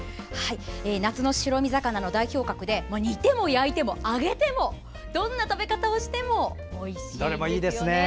夏の白身魚の代表格で煮ても焼いても揚げてもどんな食べ方でもおいしいです。